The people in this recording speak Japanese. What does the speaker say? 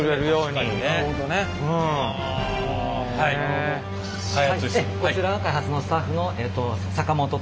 こちらが開発のスタッフの坂本と羽場です。